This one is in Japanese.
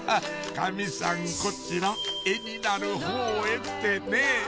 カミさんこちら絵になる方へってねぇ！